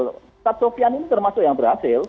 ustadz sofian ini termasuk yang berhasil